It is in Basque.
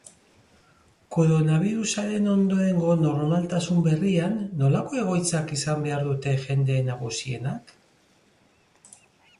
Koronabirusaren ondorengo normaltasun berrian nolako egoitzak izan behar dute jende nagusienak?